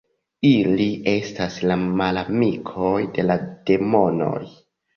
Ili estas la malamikoj de la demonoj.